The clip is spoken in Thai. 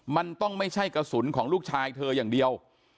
มันต้องไม่ใช่กระสุนของลูกชายเธออย่างเดียว